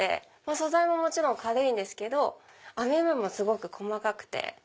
素材ももちろん軽いんですけど編み目もすごく細かくて。